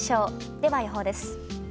では予報です。